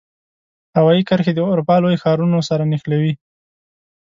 هوایي کرښې د اروپا لوی ښارونو سره نښلوي.